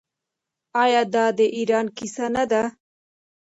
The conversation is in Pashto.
آیا دا د ایران کیسه نه ده؟